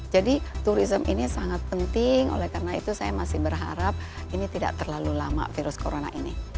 jadi turism ini sangat penting oleh karena itu saya masih berharap ini tidak terlalu lama virus korona ini